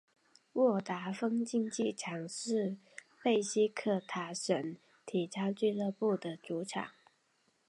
沃达丰竞技场是贝西克塔什体操俱乐部的主场。